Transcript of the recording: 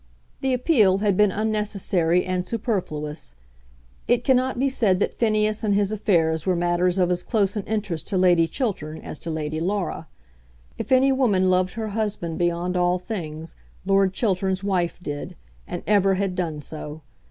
The appeal had been unnecessary and superfluous. It cannot be said that Phineas and his affairs were matters of as close an interest to Lady Chiltern as to Lady Laura. If any woman loved her husband beyond all things Lord Chiltern's wife did, and ever had done so.